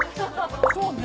そうね。